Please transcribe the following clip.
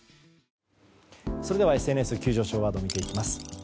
それではＳＮＳ急上昇ワードを見ていきます。